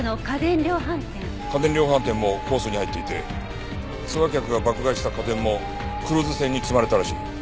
家電量販店もコースに入っていてツアー客が爆買いした家電もクルーズ船に積まれたらしい。